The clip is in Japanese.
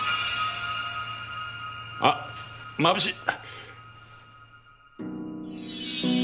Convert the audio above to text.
あっまぶしい！